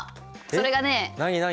それがね